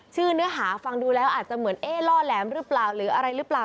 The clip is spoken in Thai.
เนื้อหาฟังดูแล้วอาจจะเหมือนเอ๊ะล่อแหลมหรือเปล่าหรืออะไรหรือเปล่า